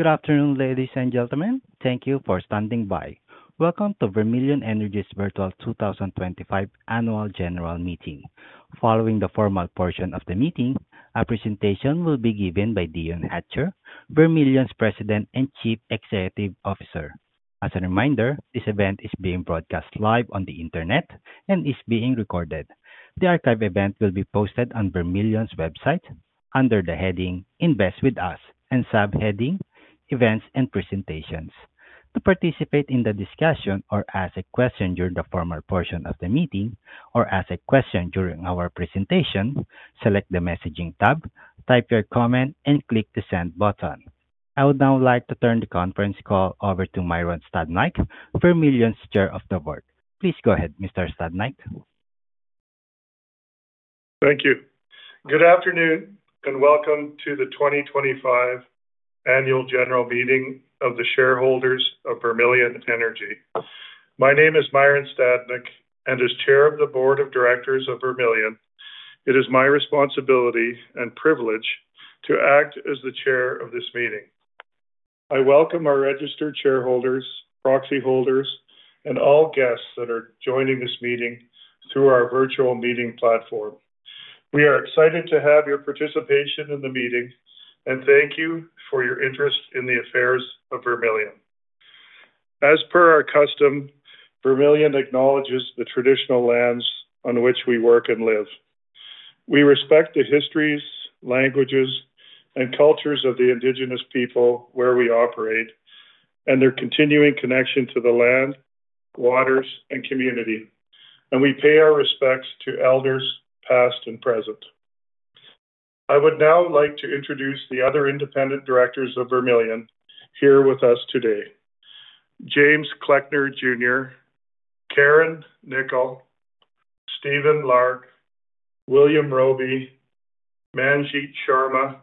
Good afternoon, ladies and gentlemen. Thank you for standing by. Welcome to Vermilion Energy's Virtual 2025 Annual General Meeting. Following the formal portion of the meeting, a presentation will be given by Dion Hatcher, Vermilion's President and Chief Executive Officer. As a reminder, this event is being broadcast live on the internet and is being recorded. The archived event will be posted on Vermilion's website under the heading "Invest with Us," and subheading "Events and Presentations." To participate in the discussion or ask a question during the formal portion of the meeting, or ask a question during our presentation, select the Messaging tab, type your comment, and click the Send button. I would now like to turn the conference call over to Myron Stadnyk, Vermilion's Chair of the Board. Please go ahead, Mr. Stadnyk. Thank you. Good afternoon and welcome to the 2025 Annual General Meeting of the Shareholders of Vermilion Energy. My name is Myron Stadnyk, and as Chair of the Board of Directors of Vermilion, it is my responsibility and privilege to act as the Chair of this meeting. I welcome our registered shareholders, proxy holders, and all guests that are joining this meeting through our virtual meeting platform. We are excited to have your participation in the meeting, and thank you for your interest in the affairs of Vermilion. As per our custom, Vermilion acknowledges the traditional lands on which we work and live. We respect the histories, languages, and cultures of the Indigenous people where we operate, and their continuing connection to the land, waters, and community, and we pay our respects to elders past and present. I would now like to introduce the other independent directors of Vermilion here with us today: James Kleckner Jr., Carin Knickel, Stephen Larke, William Roby, Manjit Sharma,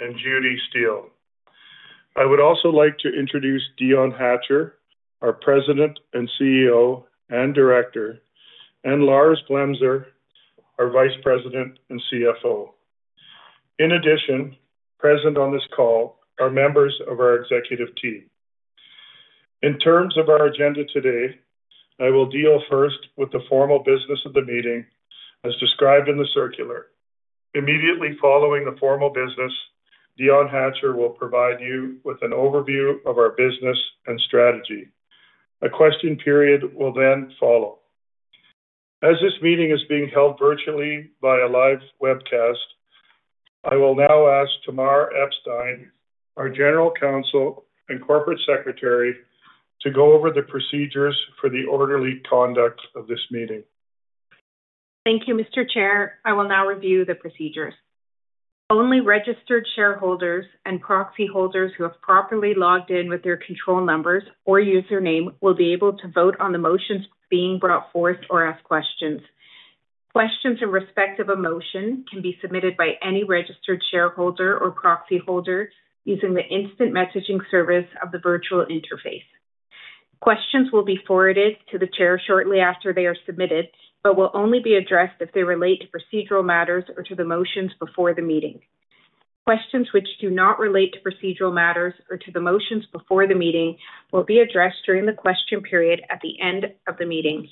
and Judy Steele. I would also like to introduce Dion Hatcher, our President and CEO and Director, and Lars Glemser, our Vice President and CFO. In addition, present on this call are members of our executive team. In terms of our agenda today, I will deal first with the formal business of the meeting as described in the circular. Immediately following the formal business, Dion Hatcher will provide you with an overview of our business and strategy. A question period will then follow. As this meeting is being held virtually via live webcast, I will now ask Tamar Epstein, our General Counsel and Corporate Secretary, to go over the procedures for the orderly conduct of this meeting. Thank you, Mr. Chair. I will now review the procedures. Only registered shareholders and proxy holders who have properly logged in with their control numbers or username will be able to vote on the motions being brought forth or ask questions. Questions in respect of a motion can be submitted by any registered shareholder or proxy holder using the instant messaging service of the virtual interface. Questions will be forwarded to the Chair shortly after they are submitted, but will only be addressed if they relate to procedural matters or to the motions before the meeting. Questions which do not relate to procedural matters or to the motions before the meeting will be addressed during the question period at the end of the meeting.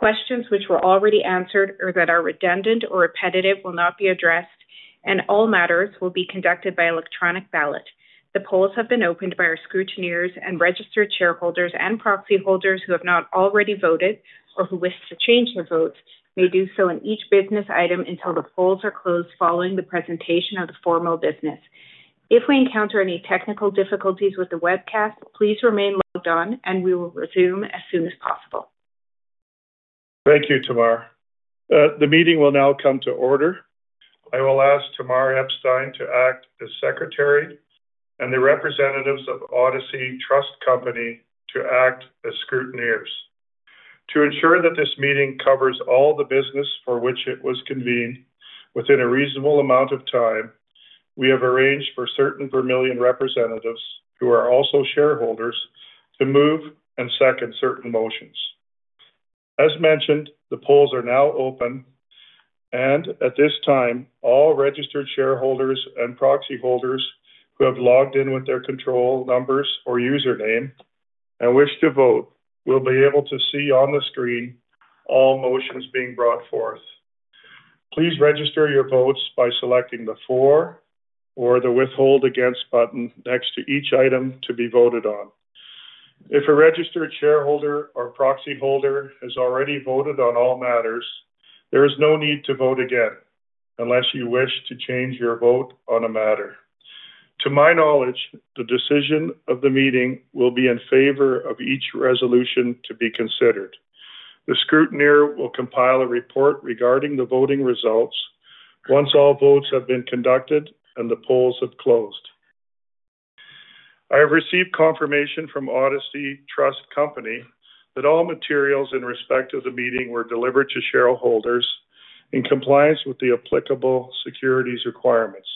Questions which were already answered or that are redundant or repetitive will not be addressed, and all matters will be conducted by electronic ballot. The polls have been opened by our scrutineers, and registered shareholders and proxy holders who have not already voted or who wish to change their votes may do so in each business item until the polls are closed following the presentation of the formal business. If we encounter any technical difficulties with the webcast, please remain logged on, and we will resume as soon as possible. Thank you, Tamar. The meeting will now come to order. I will ask Tamar Epstein to act as Secretary and the representatives of Odyssey Trust Company to act as scrutineers. To ensure that this meeting covers all the business for which it was convened within a reasonable amount of time, we have arranged for certain Vermilion representatives, who are also shareholders, to move and second certain motions. As mentioned, the polls are now open, and at this time, all registered shareholders and proxy holders who have logged in with their control numbers or username and wish to vote will be able to see on the screen all motions being brought forth. Please register your votes by selecting the "For" or the "Withhold Against" button next to each item to be voted on. If a registered shareholder or proxy holder has already voted on all matters, there is no need to vote again unless you wish to change your vote on a matter. To my knowledge, the decision of the meeting will be in favor of each resolution to be considered. The scrutineer will compile a report regarding the voting results once all votes have been conducted and the polls have closed. I have received confirmation from Odyssey Trust Company that all materials in respect of the meeting were delivered to shareholders in compliance with the applicable securities requirements.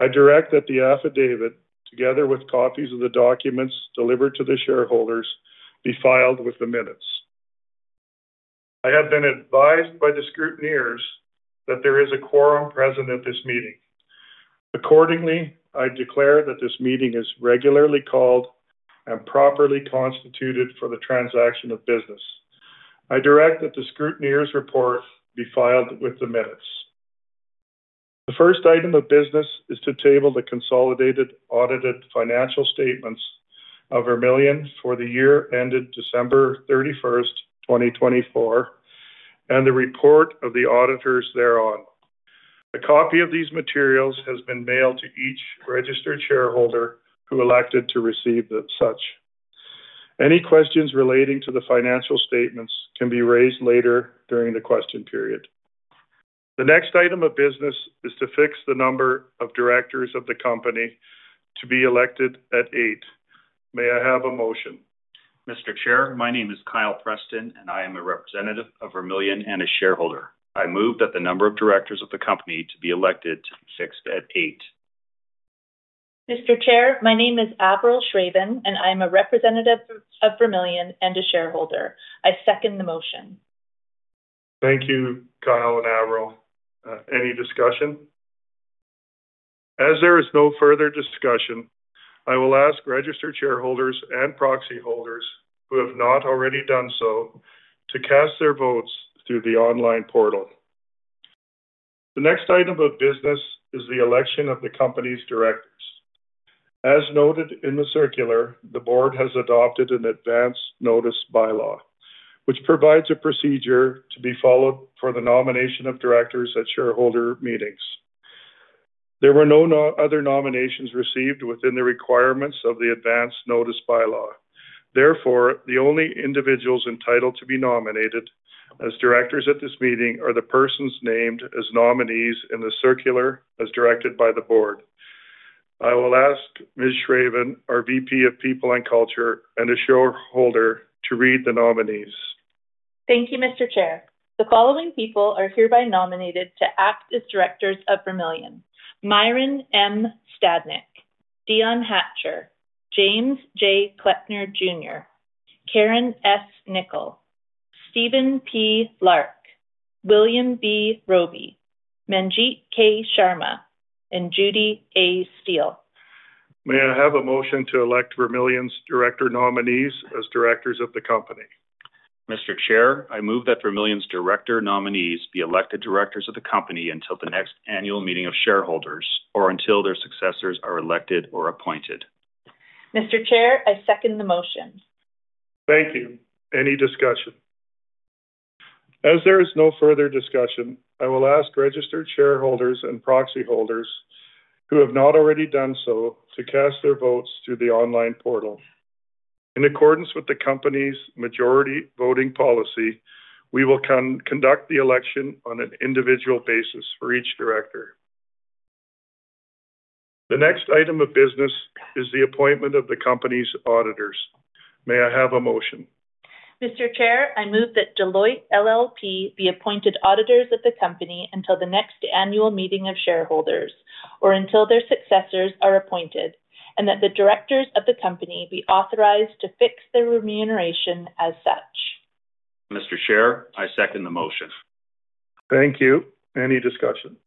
I direct that the affidavit, together with copies of the documents delivered to the shareholders, be filed with the minutes. I have been advised by the scrutineers that there is a quorum present at this meeting. Accordingly, I declare that this meeting is regularly called and properly constituted for the transaction of business. I direct that the scrutineers' report be filed with the minutes. The first item of business is to table the consolidated audited financial statements of Vermilion Energy for the year ended December 31, 2024, and the report of the auditors thereon. A copy of these materials has been mailed to each registered shareholder who elected to receive such. Any questions relating to the financial statements can be raised later during the question period. The next item of business is to fix the number of directors of the company to be elected at eight. May I have a motion? Mr. Chair, my name is Kyle Preston, and I am a representative of Vermilion and a shareholder. I move that the number of directors of the company to be elected to be fixed at eight. Mr. Chair, my name is Averyl Schraven, and I am a representative of Vermilion and a shareholder. I second the motion. Thank you, Kyle and Averyl. Any discussion? As there is no further discussion, I will ask registered shareholders and proxy holders who have not already done so to cast their votes through the online portal. The next item of business is the election of the company's directors. As noted in the circular, the board has adopted an advance notice bylaw, which provides a procedure to be followed for the nomination of directors at shareholder meetings. There were no other nominations received within the requirements of the advance notice bylaw. Therefore, the only individuals entitled to be nominated as directors at this meeting are the persons named as nominees in the circular as directed by the board. I will ask Ms. Schraven, our VP of People and Culture and a shareholder, to read the nominees. Thank you, Mr. Chair. The following people are hereby nominated to act as directors of Vermilion: Myron M. Stadnyk, Dion Hatcher, James J. Kleckner Jr., Carin S. Knickel, Stephen P. Lark, William B. Roby, Manjit K. Sharma, and Judy A. Steele. May I have a motion to elect Vermilion's director nominees as directors of the company? Mr. Chair, I move that Vermilion's director nominees be elected directors of the company until the next annual meeting of shareholders or until their successors are elected or appointed. Mr. Chair, I second the motion. Thank you. Any discussion? As there is no further discussion, I will ask registered shareholders and proxy holders who have not already done so to cast their votes through the online portal. In accordance with the company's majority voting policy, we will conduct the election on an individual basis for each director. The next item of business is the appointment of the company's auditors. May I have a motion? Mr. Chair, I move that Deloitte LLP be appointed auditors of the company until the next annual meeting of shareholders or until their successors are appointed, and that the directors of the company be authorized to fix their remuneration as such. Mr. Chair, I second the motion. Thank you. Any discussion?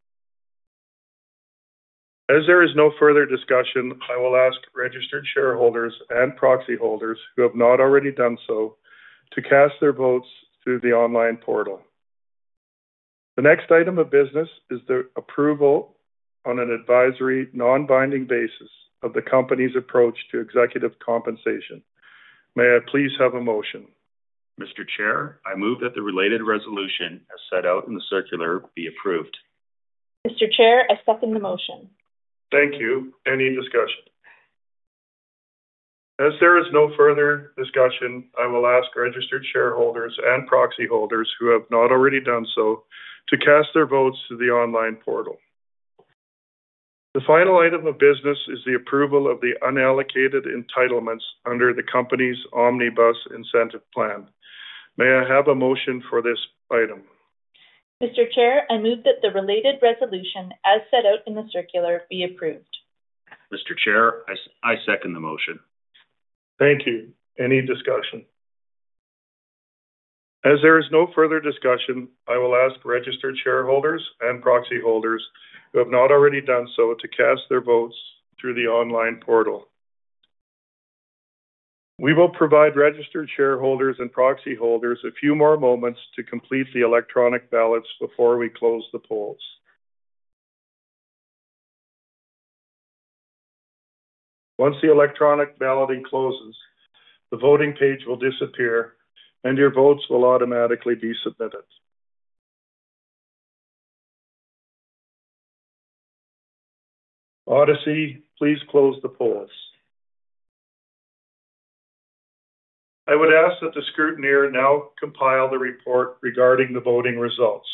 As there is no further discussion, I will ask registered shareholders and proxy holders who have not already done so to cast their votes through the online portal. The next item of business is the approval on an advisory non-binding basis of the company's approach to executive compensation. May I please have a motion? Mr. Chair, I move that the related resolution as set out in the circular be approved. Mr. Chair, I second the motion. Thank you. Any discussion? As there is no further discussion, I will ask registered shareholders and proxy holders who have not already done so to cast their votes through the online portal. The final item of business is the approval of the unallocated entitlements under the company's Omnibus Incentive Plan. May I have a motion for this item? Mr. Chair, I move that the related resolution as set out in the circular be approved. Mr. Chair, I second the motion. Thank you. Any discussion? As there is no further discussion, I will ask registered shareholders and proxy holders who have not already done so to cast their votes through the online portal. We will provide registered shareholders and proxy holders a few more moments to complete the electronic ballots before we close the polls. Once the electronic balloting closes, the voting page will disappear, and your votes will automatically be submitted. Odyssey, please close the polls. I would ask that the scrutineer now compile the report regarding the voting results.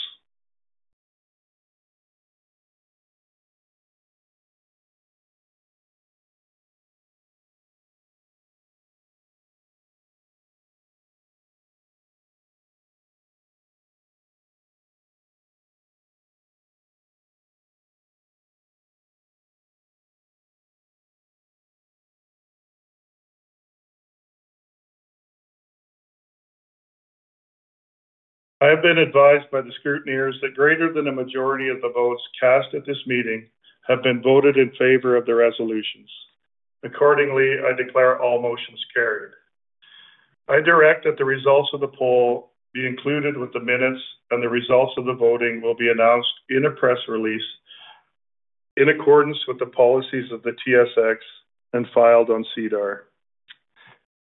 I have been advised by the scrutineers that greater than a majority of the votes cast at this meeting have been voted in favor of the resolutions. Accordingly, I declare all motions carried. I direct that the results of the poll be included with the minutes, and the results of the voting will be announced in a press release in accordance with the policies of the TSX and filed on SEDAR.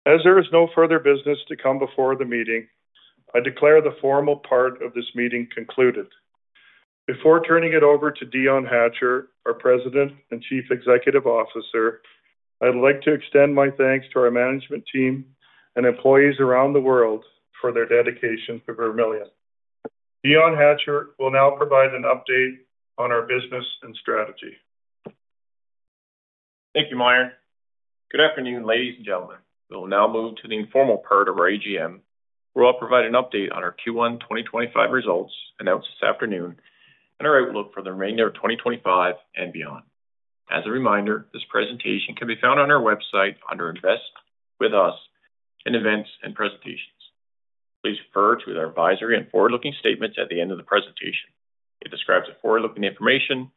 As there is no further business to come before the meeting, I declare the formal part of this meeting concluded. Before turning it over to Dion Hatcher, our President and Chief Executive Officer, I'd like to extend my thanks to our management team and employees around the world for their dedication to Vermilion. Dion Hatcher will now provide an update on our business and strategy. Thank you, Myron. Good afternoon, ladies and gentlemen. We'll now move to the informal part of our AGM. We'll provide an update on our Q1 2025 results announced this afternoon and our outlook for the remainder of 2025 and beyond. As a reminder, this presentation can be found on our website under Invest with Us in Events and Presentations. Please refer to our advisory and forward-looking statements at the end of the presentation. It describes the forward-looking information,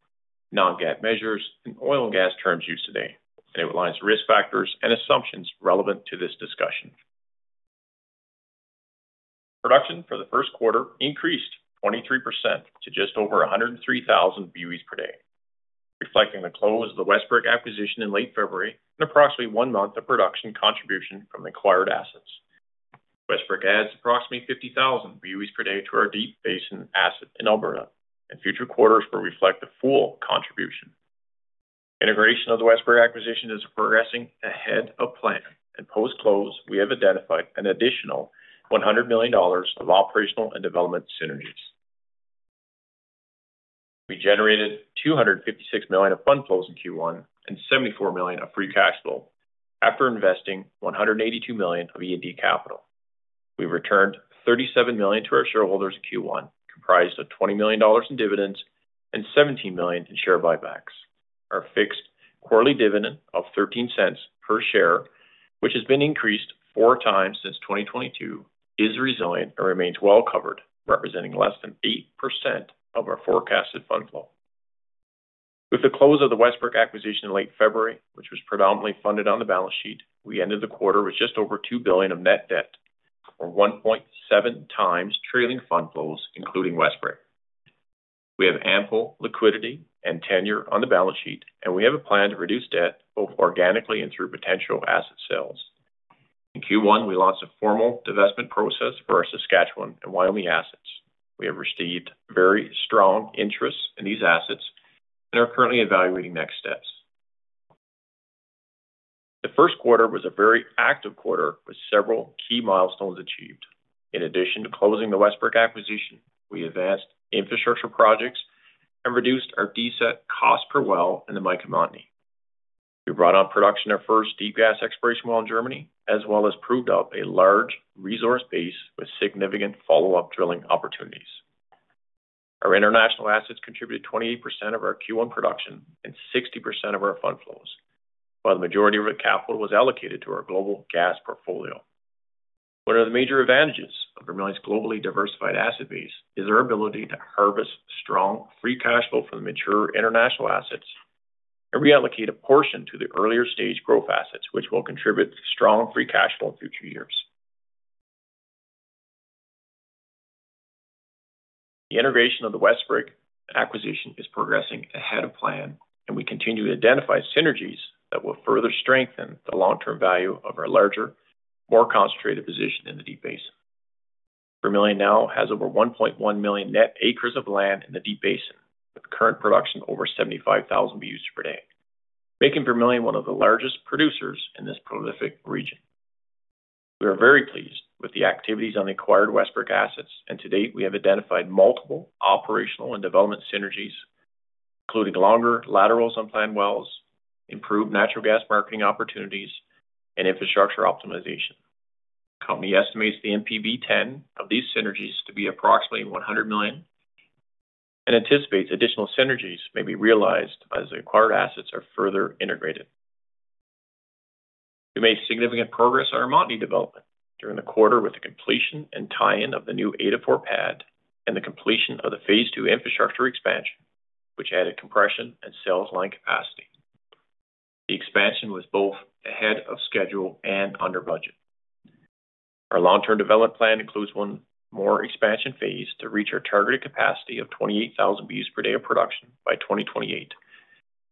non-GAAP measures, and oil and gas terms used today, and it aligns risk factors and assumptions relevant to this discussion. Production for the first quarter increased 23% to just over 103,000 boe/d, reflecting the close of the Westbrick acquisition in late February and approximately one month of production contribution from acquired assets. Westbrick adds approximately 50,000 boe/d to our Deep Basin asset in Alberta, and future quarters will reflect the full contribution. Integration of the Westbrick acquisition is progressing ahead of plan, and post-close, we have identified an additional 100 million dollars of operational and development synergies. We generated 256 million of fund flows in Q1 and 74 million of free cash flow after investing 182 million of E&D capital. We returned 37 million to our shareholders in Q1, comprised of CAD 20 million in dividends and 17 million in share buybacks. Our fixed quarterly dividend of 0.13 per share, which has been increased four times since 2022, is resilient and remains well covered, representing less than 8% of our forecasted fund flow. With the close of the Westbrick acquisition in late February, which was predominantly funded on the balance sheet, we ended the quarter with just over 2 billion of net debt or 1.7 times trailing fund flows, including Westbrick. We have ample liquidity and tenure on the balance sheet, and we have a plan to reduce debt both organically and through potential asset sales. In Q1, we launched a formal divestment process for our Saskatchewan and Wyoming assets. We have received very strong interest in these assets and are currently evaluating next steps. The first quarter was a very active quarter with several key milestones achieved. In addition to closing the Westbrick acquisition, we advanced infrastructure projects and reduced our DCET cost per well in the Mica Montney. We brought on production of our first deep gas exploration well in Germany, as well as proved up a large resource base with significant follow-up drilling opportunities. Our international assets contributed 28% of our Q1 production and 60% of our fund flows, while the majority of the capital was allocated to our global gas portfolio. One of the major advantages of Vermilion Energy's globally diversified asset base is our ability to harvest strong free cash flow from the mature international assets and reallocate a portion to the earlier stage growth assets, which will contribute to strong free cash flow in future years. The integration of the Westbrick acquisition is progressing ahead of plan, and we continue to identify synergies that will further strengthen the long-term value of our larger, more concentrated position in the Deep Basin. Vermilion now has over 1.1 million net acres of land in the Deep Basin, with current production over 75,000 boe/d, making Vermilion one of the largest producers in this prolific region. We are very pleased with the activities on the acquired Westbrick assets, and to date, we have identified multiple operational and development synergies, including longer laterals on planned wells, improved natural gas marketing opportunities, and infrastructure optimization. The company estimates the NPV10 of these synergies to be approximately 100 million and anticipates additional synergies may be realized as the acquired assets are further integrated. We made significant progress on our Montney development during the quarter with the completion and tie-in of the new ADA 4 pad and the completion of the phase two infrastructure expansion, which added compression and sales line capacity. The expansion was both ahead of schedule and under budget. Our long-term development plan includes one more expansion phase to reach our targeted capacity of 28,000 boe/d of production by 2028,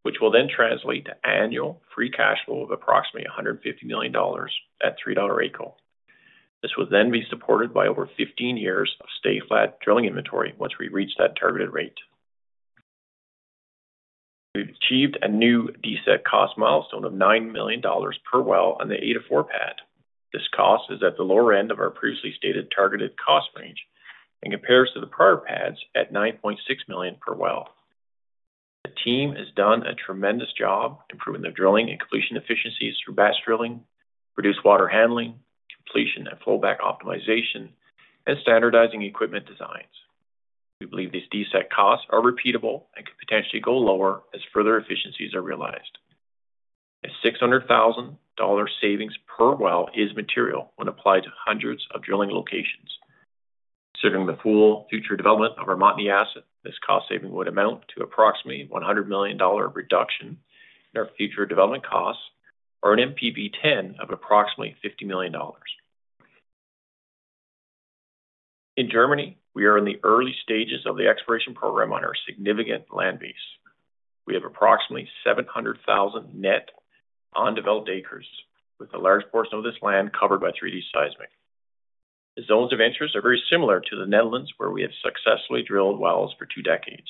which will then translate to annual free cash flow of approximately 1 50 million at 3 dollar/GJ. This will then be supported by over 15 years of stay-flat drilling inventory once we reach that targeted rate. We have achieved a new DCET cost milestone of 9 million dollars per well on the 8-4 pad. This cost is at the lower end of our previously stated targeted cost range in comparison to the prior pads at 9.6 million per well. The team has done a tremendous job improving the drilling and completion efficiencies through batch drilling, reduced water handling, completion and fallback optimization, and standardizing equipment designs. We believe these DCET costs are repeatable and could potentially go lower as further efficiencies are realized. A 600,000 dollar savings per well is material when applied to hundreds of drilling locations. Considering the full future development of our Mountain View asset, this cost saving would amount to approximately 100 million dollar reduction in our future development costs or an NPV10 of approximately 50 million dollars. In Germany, we are in the early stages of the exploration program on our significant land base. We have approximately 700,000 net undeveloped acres, with a large portion of this land covered by 3D seismic. The zones of interest are very similar to the Netherlands, where we have successfully drilled wells for two decades.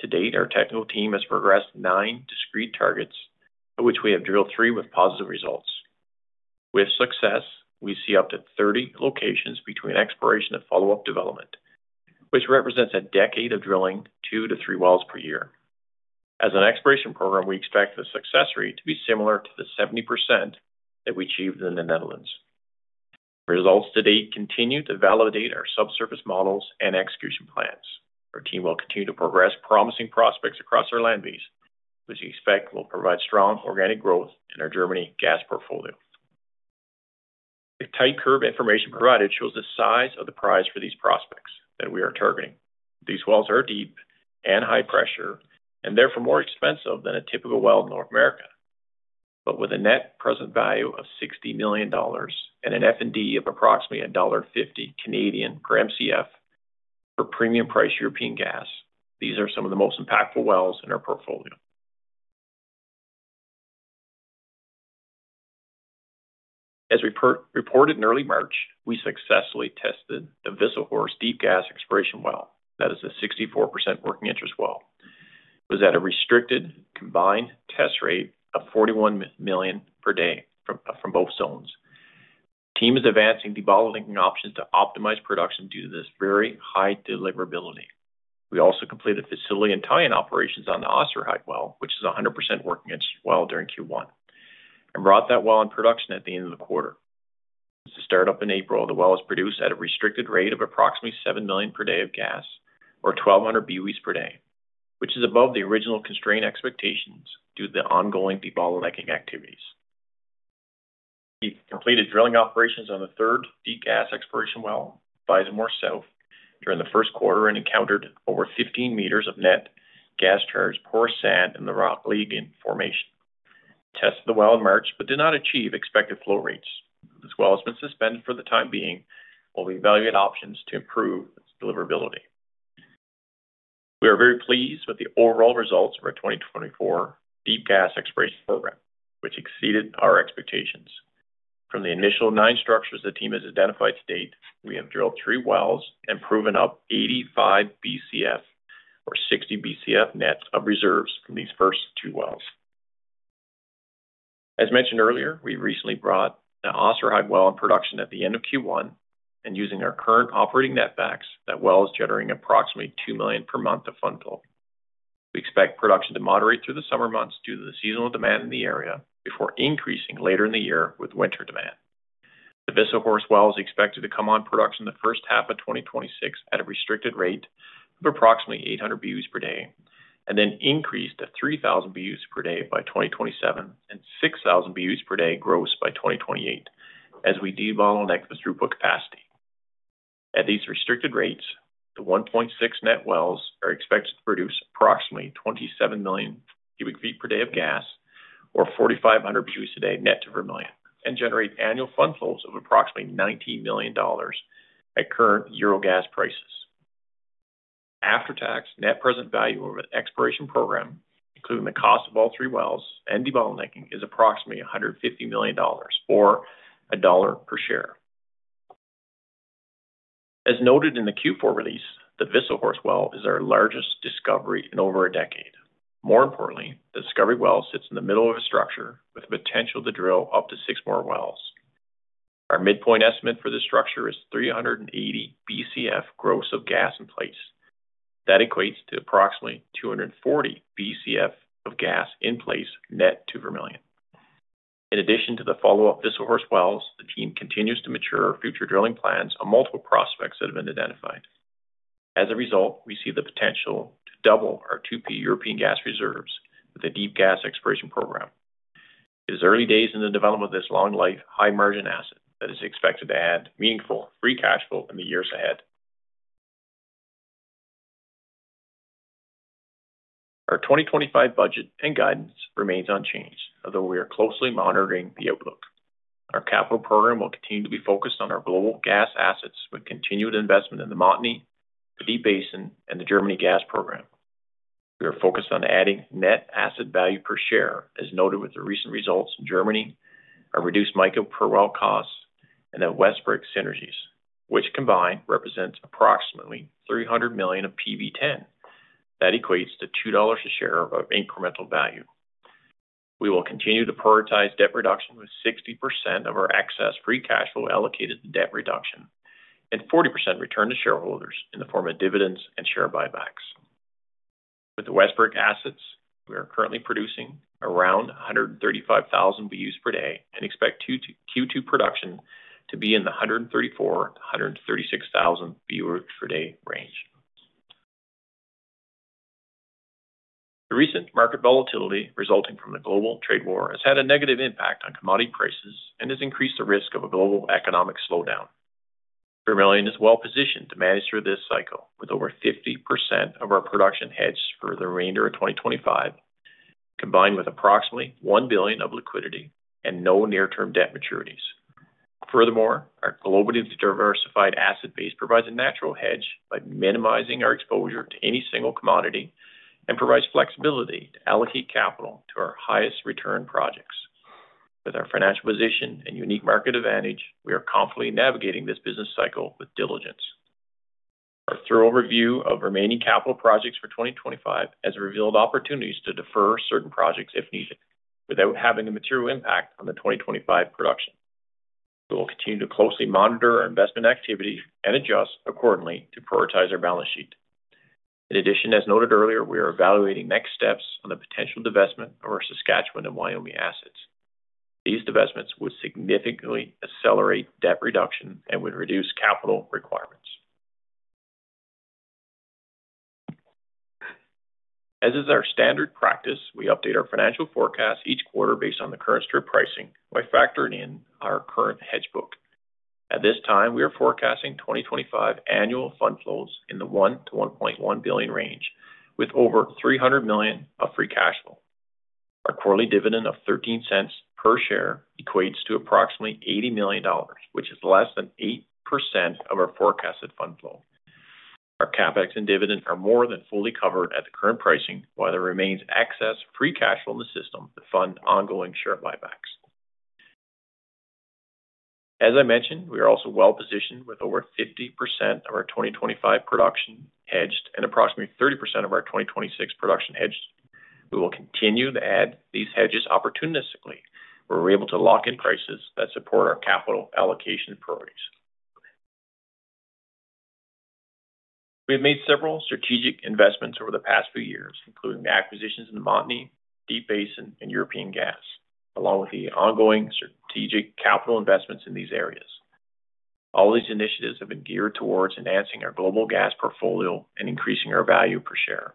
To date, our technical team has progressed nine discrete targets, of which we have drilled three with positive results. With success, we see up to 30 locations between exploration and follow-up development, which represents a decade of drilling two to three wells per year. As an exploration program, we expect the success rate to be similar to the 70% that we achieved in the Netherlands. Results to date continue to validate our subsurface models and execution plans. Our team will continue to progress promising prospects across our land base, which we expect will provide strong organic growth in our Germany gas portfolio. A type curve information provided shows the size of the prize for these prospects that we are targeting. These wells are deep and high pressure and therefore more expensive than a typical well in North America. With a net present value of 60 million dollars and an F&D of approximately 1.50 Canadian dollars per MCF for premium price European gas, these are some of the most impactful wells in our portfolio. As we reported in early March, we successfully tested the Wisselhorst deep gas exploration well. That is a 64% working interest well. It was at a restricted combined test rate of 41 million per day from both zones. Our team is advancing debottlenecking options to optimize production due to this very high deliverability. We also completed facility and tie-in operations on the Osterheide well, which is a 100% working interest well during Q1, and brought that well in production at the end of the quarter. Since the startup in April, the well was produced at a restricted rate of approximately 7 million per day of gas or 1,200 boe/d, which is above the original constraint expectations due to the ongoing debottlenecking activities. We completed drilling operations on the third deep gas exploration well by the Moers South during the first quarter and encountered over 15 meters of net gas-charged poor sand in the Rotliegendes formation. We tested the well in March but did not achieve expected flow rates. This well has been suspended for the time being, while we evaluate options to improve its deliverability. We are very pleased with the overall results of our 2024 deep gas exploration program, which exceeded our expectations. From the initial nine structures the team has identified to date, we have drilled three wells and proven up 85 Wisselhorst or 60 Bcf net of reserves from these first two wells. As mentioned earlier, we recently brought the Osterheide well in production at the end of Q1, and using our current operating netbacks, that well is generating approximately 2 million per month of fund flow. We expect production to moderate through the summer months due to the seasonal demand in the area before increasing later in the year with winter demand. The Wisselhorst well is expected to come on production the first half of 2026 at a restricted rate of approximately 800 boe/d and then increase to 3,000 boe/d by 2027 and 6,000 boe/d gross by 2028 as we debottleneck and exit through capacity. At these restricted rates, the 1.6 net wells are expected to produce approximately 27 million cubic feet per day of gas or 4,500 boe/d net to Vermilion and generate annual fund flows of approximately EUR 19 million at current Euro gas prices. After-tax, net present value over the exploration program, including the cost of all three wells and debottlenecking, is approximately EUR 150 million or EUR 1 per share. As noted in the Q4 release, the Wisselhorst well is our largest discovery in over a decade. More importantly, the discovery well sits in the middle of a structure with the potential to drill up to six more wells. Our midpoint estimate for this structure is 380 Bcf gross of gas in place. That equates to approximately 240 Bcf of gas in place net to Vermilion. In addition to the follow-up Wisselhorst wells, the team continues to mature our future drilling plans on multiple prospects that have been identified. As a result, we see the potential to double our 2P European gas reserves with the deep gas exploration program. It is early days in the development of this long-life, high-margin asset that is expected to add meaningful free cash flow in the years ahead. Our 2025 budget and guidance remains unchanged, although we are closely monitoring the outlook. Our capital program will continue to be focused on our global gas assets with continued investment in the Montney, Deep Basin, and the Germany gas program. We are focused on adding net asset value per share, as noted with the recent results in Germany, our reduced Mica per well costs, and the Westbrick synergies, which combined represents approximately 300 million of NPV10. That equates to 2 dollars a share of incremental value. We will continue to prioritize debt reduction with 60% of our excess free cash flow allocated to debt reduction and 40% return to shareholders in the form of dividends and share buybacks. With the Westbrick assets, we are currently producing around 135,000 boe/d and expect Q2 production to be in the 134,000-136,000 boe/d range. The recent market volatility resulting from the global trade war has had a negative impact on commodity prices and has increased the risk of a global economic slowdown. Vermilion is well positioned to manage through this cycle with over 50% of our production hedged for the remainder of 2025, combined with approximately 1 billion of liquidity and no near-term debt maturities. Furthermore, our globally diversified asset base provides a natural hedge by minimizing our exposure to any single commodity and provides flexibility to allocate capital to our highest return projects. With our financial position and unique market advantage, we are confidently navigating this business cycle with diligence. Our thorough review of remaining capital projects for 2025 has revealed opportunities to defer certain projects if needed without having a material impact on the 2025 production. We will continue to closely monitor our investment activity and adjust accordingly to prioritize our balance sheet. In addition, as noted earlier, we are evaluating next steps on the potential divestment of our Saskatchewan and Wyoming assets. These divestments would significantly accelerate debt reduction and would reduce capital requirements. As is our standard practice, we update our financial forecasts each quarter based on the current strip pricing by factoring in our current hedge book. At this time, we are forecasting 2025 annual fund flows in the 1 billion-1.1 billion range, with over 300 million of free cash flow. Our quarterly dividend of 0.13 per share equates to approximately 80 million dollars, which is less than 8% of our forecasted fund flow. Our CapEx and dividend are more than fully covered at the current pricing, while there remains excess free cash flow in the system to fund ongoing share buybacks. As I mentioned, we are also well positioned with over 50% of our 2025 production hedged and approximately 30% of our 2026 production hedged. We will continue to add these hedges opportunistically where we're able to lock in prices that support our capital allocation priorities. We have made several strategic investments over the past few years, including the acquisitions in the Mountain View, Deep Basin, and European gas, along with the ongoing strategic capital investments in these areas. All these initiatives have been geared towards enhancing our global gas portfolio and increasing our value per share.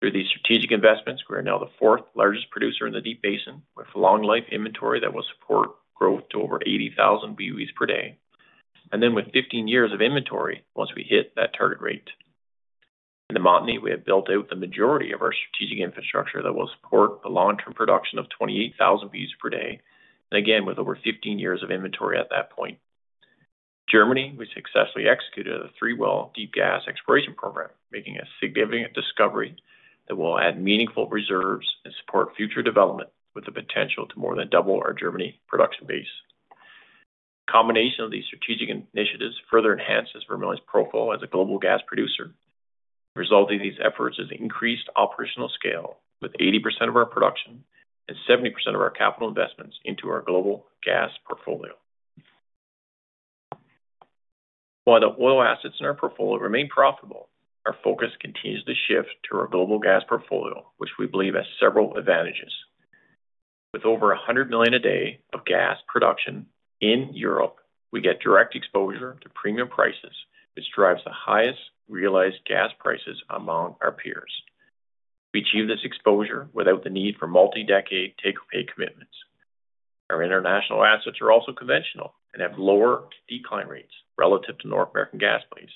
Through these strategic investments, we are now the fourth largest producer in the Deep Basin with long-life inventory that will support growth to over 80,000 boe/d. With 15 years of inventory, once we hit that target rate in the Mountain View, we have built out the majority of our strategic infrastructure that will support the long-term production of 28,000 boe/d. Again, with over 15 years of inventory at that point. In Germany, we successfully executed a three-well deep gas exploration program, making a significant discovery that will add meaningful reserves and support future development with the potential to more than double our Germany production base. The combination of these strategic initiatives further enhances Vermilion's profile as a global gas producer. The result of these efforts is increased operational scale with 80% of our production and 70% of our capital investments into our global gas portfolio. While the oil assets in our portfolio remain profitable, our focus continues to shift to our global gas portfolio, which we believe has several advantages. With over 100 million a day of gas production in Europe, we get direct exposure to premium prices, which drives the highest realized gas prices among our peers. We achieve this exposure without the need for multi-decade take-away commitments. Our international assets are also conventional and have lower decline rates relative to North American gas base.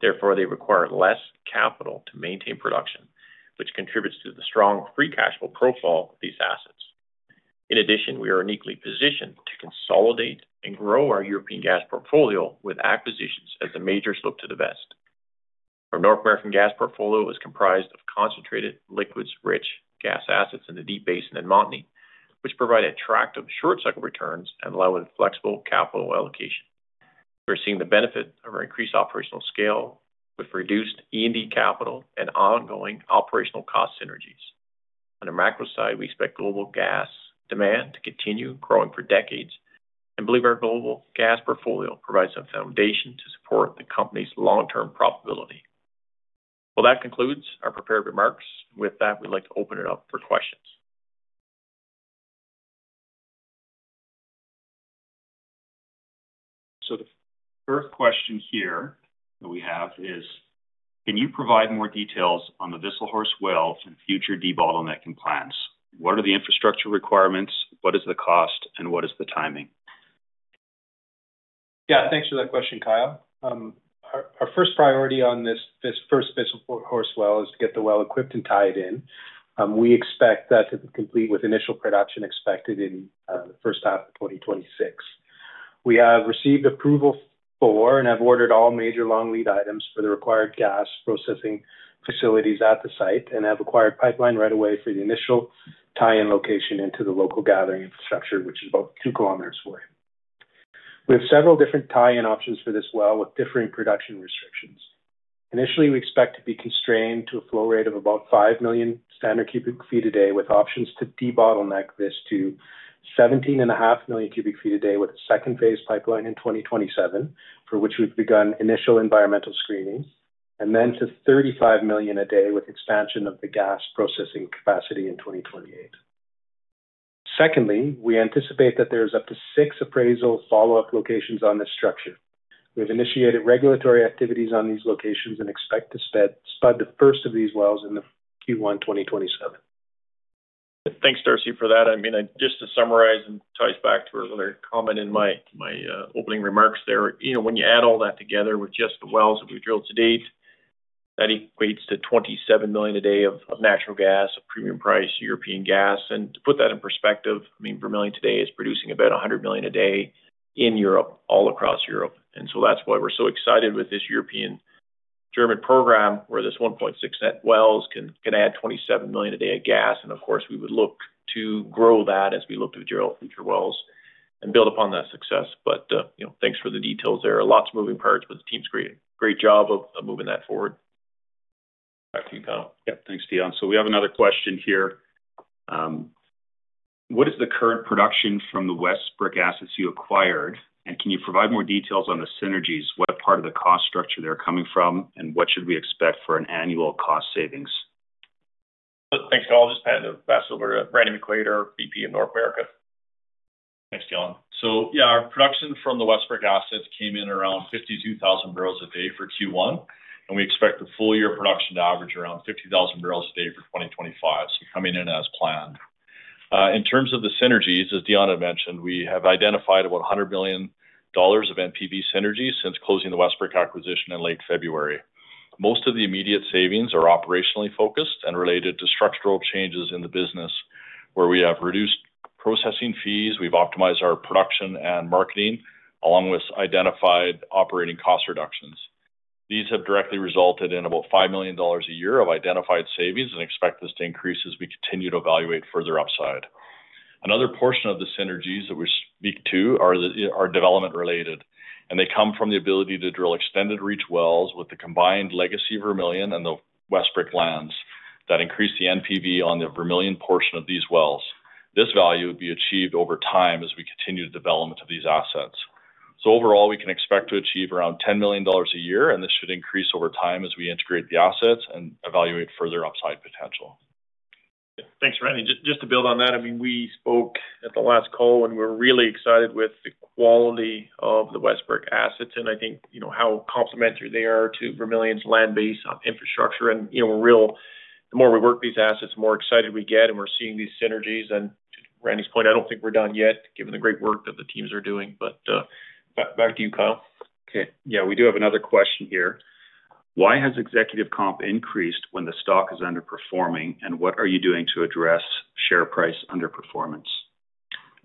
Therefore, they require less capital to maintain production, which contributes to the strong free cash flow profile of these assets. In addition, we are uniquely positioned to consolidate and grow our European gas portfolio with acquisitions as the majors look to divest. Our North American gas portfolio is comprised of concentrated liquids-rich gas assets in the Deep Basin and Montney, which provide attractive short-cycle returns and allow for flexible capital allocation. We're seeing the benefit of our increased operational scale with reduced E&D capital and ongoing operational cost synergies. On the macro side, we expect global gas demand to continue growing for decades and believe our global gas portfolio provides a foundation to support the company's long-term profitability. That concludes our prepared remarks. With that, we'd like to open it up for questions. The first question here that we have is, can you provide more details on the Wisselhorst well and future debottlenecking that compliance? What are the infrastructure requirements? What is the cost? What is the timing? Yeah, thanks for that question, Kyle. Our first priority on this first Wisselhorst well is to get the well equipped and tied in. We expect that to complete with initial production expected in the first half of 2026. We have received approval for and have ordered all major long lead items for the required gas processing facilities at the site and have acquired pipeline right of way for the initial tie-in location into the local gathering infrastructure, which is about 2 km away. We have several different tie-in options for this well with differing production restrictions. Initially, we expect to be constrained to a flow rate of about 5 million standard cubic feet a day, with options to debottleneck this to 17.5 million cu ft a day with a second phase pipeline in 2027, for which we've begun initial environmental screenings, and then to 35 million a day with expansion of the gas processing capacity in 2028. Secondly, we anticipate that there are up to six appraisal follow-up locations on this structure. We have initiated regulatory activities on these locations and expect to spud the first of these wells in Q1 2027. Thanks, Darcy, for that. I mean, just to summarize and tie us back to another comment in my opening remarks there, when you add all that together with just the wells that we've drilled to date, that equates to 27 million a day of natural gas, a premium price European gas. To put that in perspective, I mean, Vermilion today is producing about 100 million a day in Europe, all across Europe. That is why we're so excited with this European German program where this 1.6 net wells can add 27 million a day of gas. Of course, we would look to grow that as we look to drill future wells and build upon that success. Thanks for the details there. Lots of moving parts, but the team's great job of moving that forward. Back to you, Kyle. Yep, thanks, Dion. We have another question here. What is the current production from the Westbrick assets you acquired? Can you provide more details on the synergies, what part of the cost structure they're coming from, and what should we expect for an annual cost savings? Thanks, Kyle. I'll just pass it over to Randy McQuaig, our VP of North America. Thanks, Dion. Yeah, our production from the Westbrick assets came in around 52,000 barrels a day for Q1, and we expect the full year production to average around 50,000 barrels a day for 2025. Coming in as planned. In terms of the synergies, as Dion had mentioned, we have identified about 100 million dollars of NPV synergies since closing the Westbrick acquisition in late February. Most of the immediate savings are operationally focused and related to structural changes in the business where we have reduced processing fees. We've optimized our production and marketing along with identified operating cost reductions. These have directly resulted in about 5 million dollars a year of identified savings and expect this to increase as we continue to evaluate further upside. Another portion of the synergies that we speak to are development-related, and they come from the ability to drill extended reach wells with the combined legacy Vermilion and the Westbrick lands that increase the NPV on the Vermilion portion of these wells. This value would be achieved over time as we continue the development of these assets. Overall, we can expect to achieve around 10 million dollars a year, and this should increase over time as we integrate the assets and evaluate further upside potential. Thanks, Brandon. Just to build on that, I mean, we spoke at the last call and we're really excited with the quality of the Westbrick assets and I think how complementary they are to Vermilion's land-based infrastructure. The more we work these assets, the more excited we get and we're seeing these synergies. To Randy's point, I do not think we're done yet given the great work that the teams are doing. Back to you, Kyle. Okay. Yeah, we do have another question here. Why has executive comp increased when the stock is underperforming and what are you doing to address share price underperformance?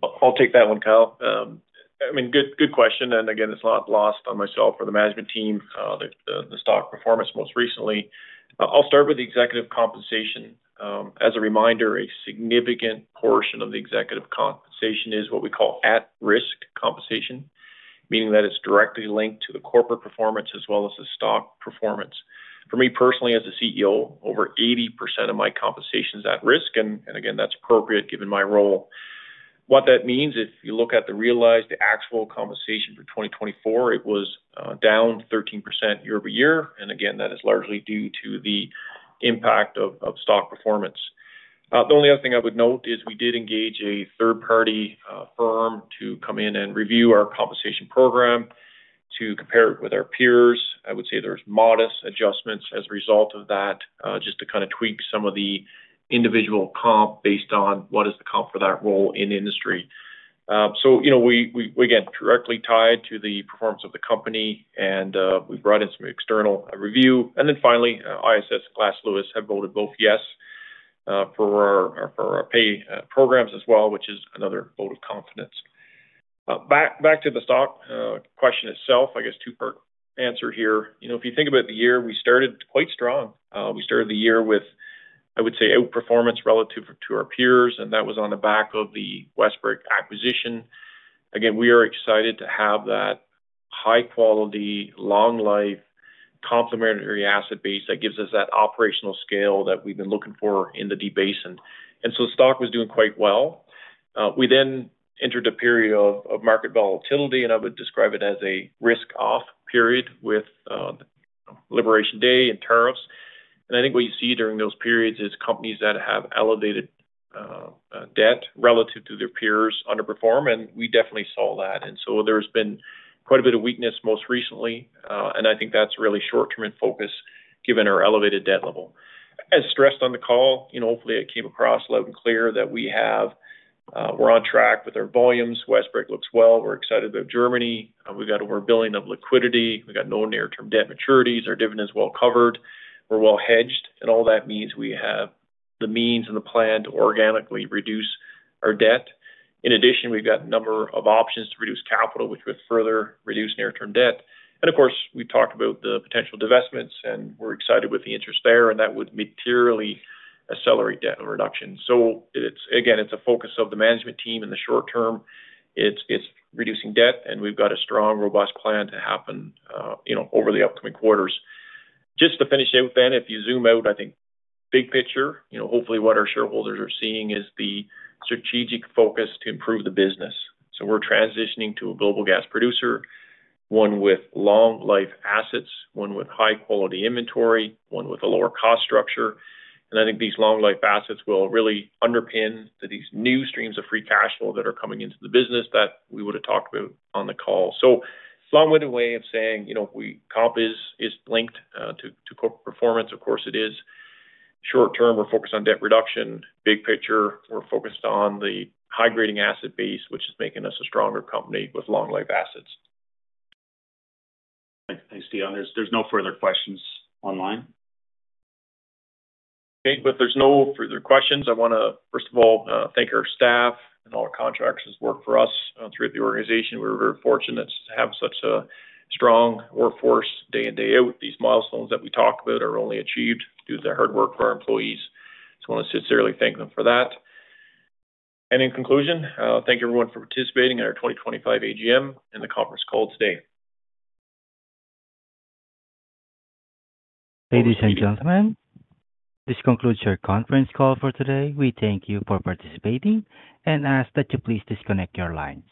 I'll take that one, Kyle. I mean, good question. Again, it's not lost on myself or the management team, the stock performance most recently. I'll start with the executive compensation. As a reminder, a significant portion of the executive compensation is what we call at-risk compensation, meaning that it's directly linked to the corporate performance as well as the stock performance. For me personally, as CEO, over 80% of my compensation is at risk. Again, that's appropriate given my role. What that means, if you look at the realized actual compensation for 2024, it was down 13% year over year. Again, that is largely due to the impact of stock performance. The only other thing I would note is we did engage a third-party firm to come in and review our compensation program to compare it with our peers. I would say there's modest adjustments as a result of that just to kind of tweak some of the individual comp based on what is the comp for that role in industry. We get directly tied to the performance of the company and we brought in some external review. Finally, ISS and Glass Lewis have voted both yes for our pay programs as well, which is another vote of confidence. Back to the stock question itself, I guess two-part answer here. If you think about the year, we started quite strong. We started the year with, I would say, outperformance relative to our peers, and that was on the back of the Westbrick acquisition. Again, we are excited to have that high-quality, long-life, complementary asset base that gives us that operational scale that we have been looking for in the Deep Basin. The stock was doing quite well. We then entered a period of market volatility, and I would describe it as a risk-off period with Liberation Day and tariffs. I think what you see during those periods is companies that have elevated debt relative to their peers underperform, and we definitely saw that. There has been quite a bit of weakness most recently, and I think that is really short-term in focus given our elevated debt level. As stressed on the call, hopefully it came across loud and clear that we are on track with our volumes. Westbrick looks well. We are excited about Germany. We have got over 1 billion of liquidity. We have got no near-term debt maturities. Our dividend is well covered. We are well hedged, and all that means we have the means and the plan to organically reduce our debt. In addition, we have got a number of options to reduce capital, which would further reduce near-term debt. Of course, we've talked about the potential divestments, and we're excited with the interest there, and that would materially accelerate debt reduction. Again, it's a focus of the management team in the short term. It's reducing debt, and we've got a strong, robust plan to happen over the upcoming quarters. Just to finish out then, if you zoom out, I think big picture, hopefully what our shareholders are seeing is the strategic focus to improve the business. We're transitioning to a global gas producer, one with long-life assets, one with high-quality inventory, one with a lower cost structure. I think these long-life assets will really underpin these new streams of free cash flow that are coming into the business that we would have talked about on the call. Long-winded way of saying comp is linked to corporate performance. Of course, it is. Short term, we're focused on debt reduction. Big picture, we're focused on the high-grading asset base, which is making us a stronger company with long-life assets. Thanks, Dion. There's no further questions online. Okay. There's no further questions. I want to, first of all, thank our staff and all our contractors who work for us throughout the organization. We're very fortunate to have such a strong workforce day in, day out. These milestones that we talked about are only achieved due to the hard work of our employees. I want to sincerely thank them for that. In conclusion, thank you everyone for participating in our 2025 AGM and the conference call today. Ladies and gentlemen, this concludes your conference call for today. We thank you for participating and ask that you please disconnect your lines.